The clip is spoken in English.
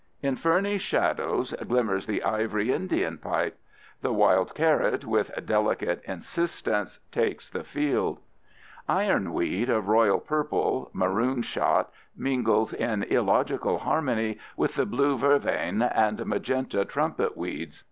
In ferny shadows glimmers the ivory Indian pipe. The wild carrot, with delicate insistence, takes the field. Ironweed of royal purple, maroon shot, mingles in illogical harmony with the blue vervain and magenta trumpet weeds.